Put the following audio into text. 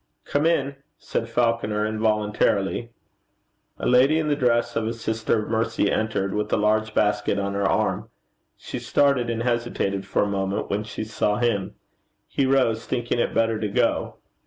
'Come in,' said Falconer, involuntarily. A lady in the dress of a Sister of Mercy entered with a large basket on her arm. She started, and hesitated for a moment when she saw him. He rose, thinking it better to go.